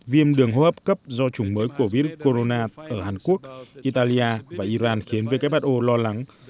viêm đường hô hấp cấp do chủng mới covid một mươi chín ở hàn quốc italy và iran khiến who lo lắng